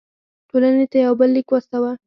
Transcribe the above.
ټولنې ته یو بل لیک واستاوه.